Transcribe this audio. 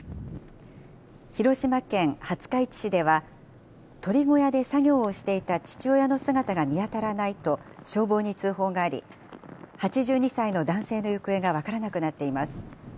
広島県廿日市市では、鶏小屋で作業をしていた父親の姿が見当たらないと、消防に通報があり、８２歳の男性の行方が分からなくなっています。